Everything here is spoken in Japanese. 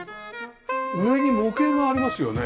上に模型がありますよね？